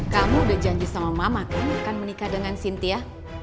kamu udah janji sama mama kamu akan menikah dengan sintia